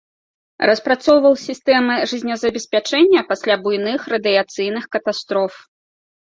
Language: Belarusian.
Распрацоўваў сістэмы жыццезабеспячэння пасля буйных радыяцыйных катастроф.